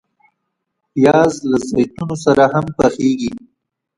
پیاز له زیتونو سره هم پخیږي